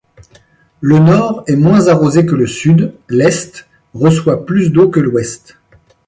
Le Nord est moins arrosé que le Sud, l'Est reçoit plus d'eau que l'Ouest.